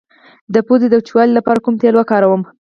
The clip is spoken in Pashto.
د پوزې د وچوالي لپاره کوم تېل وکاروم؟